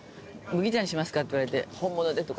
麦茶にしますか？って言われて本物でとか。